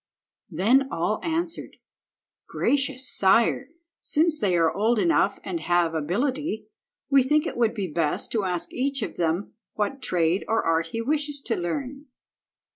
Then all answered— "Gracious sire, since they are old enough and have ability, we think it would be best to ask each of them what trade or art he wishes to learn."